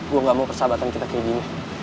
gue gak mau persahabatan kita kayak gini